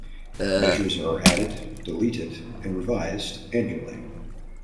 Measures are added, deleted, and revised annually.